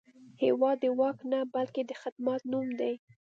هېواد د واک نه، بلکې د خدمت نوم دی.